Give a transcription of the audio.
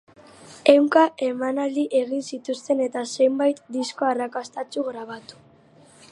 Ehunka emanaldi egin zituzten eta zenbait disko arrakastatsu grabatu.